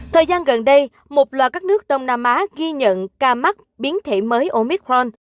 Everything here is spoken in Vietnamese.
thời gian gần đây một loạt các nước đông nam á ghi nhận ca mắc biến thể mới omitron